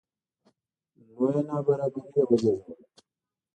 لویه نابرابري یې وزېږوله